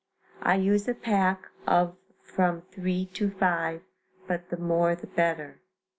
I use a pack of from three to five, but the more the better.